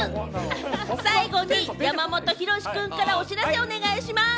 最後に山本博君からお知らせをお願いします。